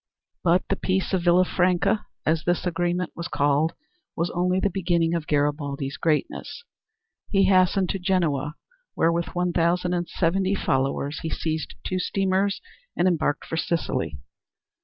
But the peace of Villafranca, as this agreement was called, was only the beginning of Garibaldi's greatness. He hastened to Genoa, where, with one thousand and seventy followers, he seized two steamers and embarked for Sicily.